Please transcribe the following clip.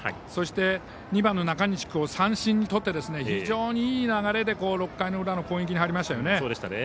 そして、２番の中西君を三振にとって、非常にいい流れで６回の裏の攻撃に入りましたよね。